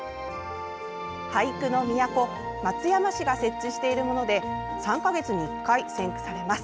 俳句の都・松山市が設置しているもので３か月に１回、選句されます。